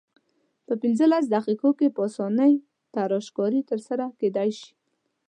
په پنځلس دقیقو کې په اسانۍ تراشکاري سرته رسیدلای شي.